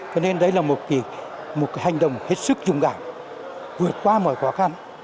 cho nên đây là một hành động hết sức dũng cảm vượt qua mọi khó khăn